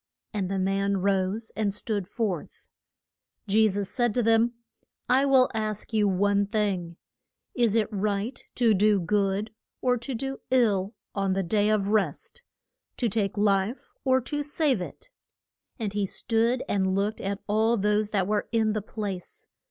And the man rose, and stood forth. [Illustration: JER U SA LEM.] Je sus said to them, I will ask you one thing: Is it right to do good or to do ill on the Day of Rest? to take life or to save it? And he stood and looked at all those that were in the place.